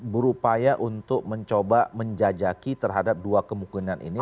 berupaya untuk mencoba menjajaki terhadap dua kemungkinan ini